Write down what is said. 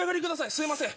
すいません。